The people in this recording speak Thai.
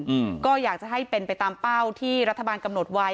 อืมก็อยากจะให้เป็นไปตามเป้าที่รัฐบาลกำหนดไว้